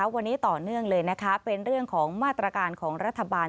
วันนี้ต่อเนื่องเลยนะคะเป็นเรื่องของมาตรการของรัฐบาล